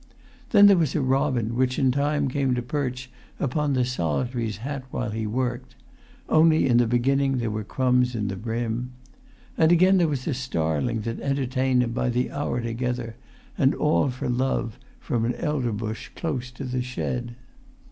Then there was a robin which in time came to perch upon the solitary's hat while he worked; only in the beginning were there crumbs in the brim. And again there was a starling that entertained him by the[Pg 245] hour together, and all for love, from an elder bush close to the shed.